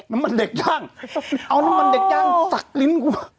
น้ำมันเด็กย่างเอาน้ำมันเด็กย่างสักลิ้นกว่า